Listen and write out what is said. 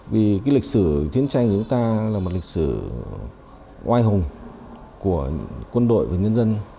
vì cái lịch sử chiến tranh của chúng ta là một lịch sử oai hùng của quân đội và nhân dân